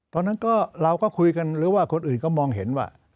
ตอนนั้นก็เราก็คุยกันหรือว่าคนอื่นก็มองเห็นว่า